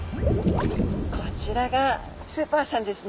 こちらがスーパーさんですね。